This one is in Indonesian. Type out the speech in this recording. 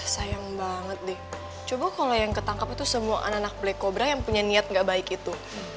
sayang banget deh coba kalau yang ketangkap itu semua anak anak black cobra yang punya niat gak baik itu